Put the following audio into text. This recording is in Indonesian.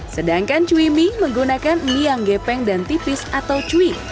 sedangkan cui mie menggunakan mie yang gepeng dan tipis atau cui